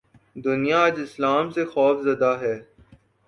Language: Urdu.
: دنیا آج اسلام سے خوف زدہ ہے۔